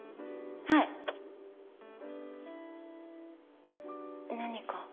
はい。何か？